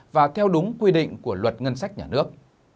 và theo đúng quy định của luật ngân sách nhà nước